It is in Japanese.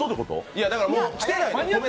いや、だからもう来てないねん。